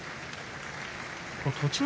栃ノ